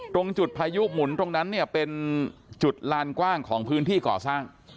ตรงจุดพายุหมุนตรงนั้นเนี่ยเป็นจุดลานกว้างของพื้นที่ก่อสร้าง